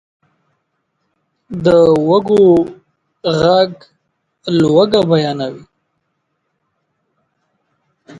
د وږو ږغ لوږه بیانوي.